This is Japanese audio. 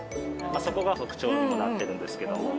そこが特徴にもなってるんですけども。